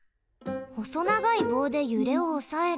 ほそながいぼうでゆれをおさえる。